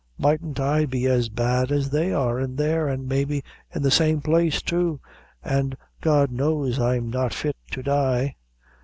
mightn't I be as bad as they are in there; an' maybe in the same place, too; an' God knows I'm not fit to die."